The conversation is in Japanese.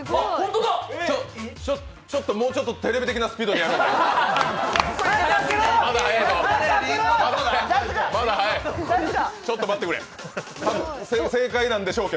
もうちょっとテレビ的なスピードでやろう。